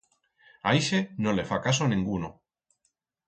A ixe no le fa caso nenguno.